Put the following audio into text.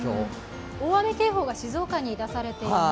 大雨警報が静岡に出されています。